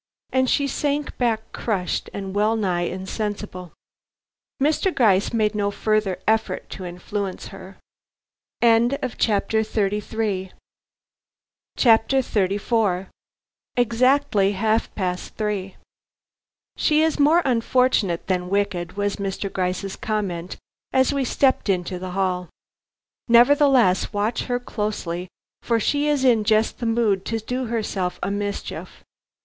And she sank back crushed and wellnigh insensible. Mr. Gryce made no further effort to influence her. XXXIV. EXACTLY HALF PAST THREE. "She is more unfortunate than wicked," was Mr. Gryce's comment as we stepped into the hall. "Nevertheless, watch her closely, for she is in just the mood to do herself a mischief.